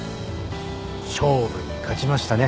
勝負に勝ちましたね。